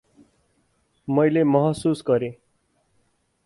मैले महसुस गरेँ ।